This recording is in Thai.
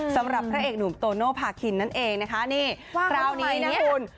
สำหรับพระเอกหนุ่มโตโนภาคินนั่นเองนะคะนี่คราวนี้นะคุณ